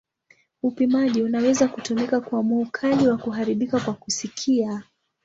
Upimaji unaweza kutumika kuamua ukali wa kuharibika kwa kusikia.